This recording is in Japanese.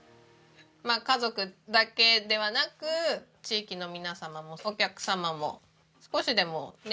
まあ家族だけではなく地域の皆様もお客様も少しでもね